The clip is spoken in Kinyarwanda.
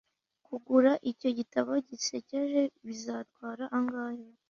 Kugura icyo gitabo gisekeje bizatwara angahe